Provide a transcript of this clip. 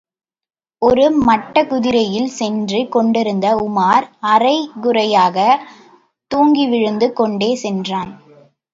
ஒரு மட்டக்குதிரையில் சென்று கொண்டிருந்த உமார் அரை குறையாகத் தூங்கிவிழுந்து கொண்டே சென்றான்.